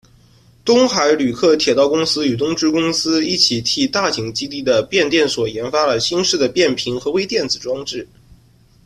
东海旅客铁道公司与东芝公司一起替大井基地的变电所研发了新式的变频和微电子装置。